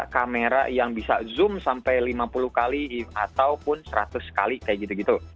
kamera yang bisa zoom sampai lima puluh kali ataupun seratus kali kayak gitu gitu